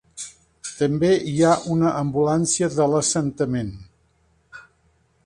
També hi ha una ambulància de l"assentament.